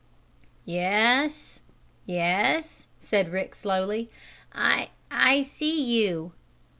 "Yes yes," said Rick, slowly. "I I see you!"